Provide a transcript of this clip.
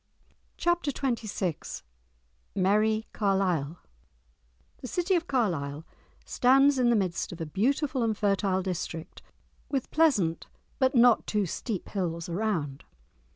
*Chapter XXVI* *Merrie Carlisle* The city of Carlisle stands in the midst of a beautiful and fertile district with pleasant but not too steep hills around.